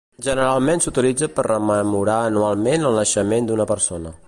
Generalment s'utilitza per rememorar anualment el naixement d'una persona.